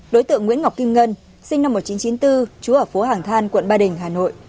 đối tượng nguyễn ngọc kim ngân sinh năm một nghìn chín trăm chín mươi bốn trú ở phố hàng than quận ba đình hà nội